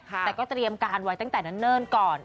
แต่ก็เตรียมการไว้ตั้งแต่เนิ่นก่อน